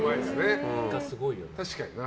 確かにな。